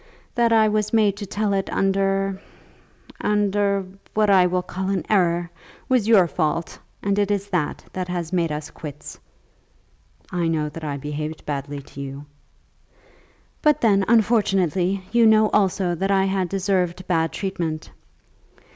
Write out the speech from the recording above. That I was made to tell it under, under, what I will call an error, was your fault; and it is that that has made us quits." "I know that I have behaved badly to you." "But then unfortunately you know also that I had deserved bad treatment.